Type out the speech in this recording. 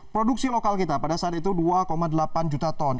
produksi lokal kita pada saat itu dua delapan juta ton